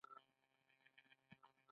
ایا زه به وکولی شم ووینم؟